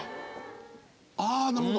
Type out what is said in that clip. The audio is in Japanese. ああなるほど。